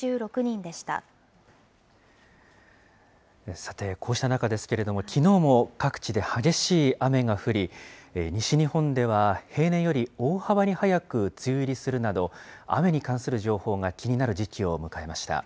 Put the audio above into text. さて、こうした中ですけれども、きのうも各地で激しい雨が降り、西日本では平年より大幅に早く梅雨入りするなど、雨に関する情報が気になる時期を迎えました。